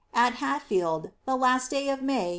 At Hatfield, the last day of May, 1563."